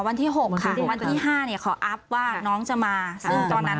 วันที่๖ค่ะวันที่๕เนี่ยขออัพว่าน้องจะมาซึ่งตอนนั้น